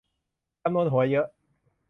จำนวนหัวเยอะ